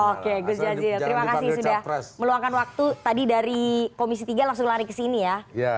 oke gus jazil terima kasih sudah meluangkan waktu tadi dari komisi tiga langsung lari ke sini ya